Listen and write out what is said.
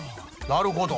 なるほど！